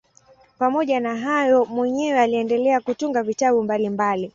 Pamoja na hayo mwenyewe aliendelea kutunga vitabu mbalimbali.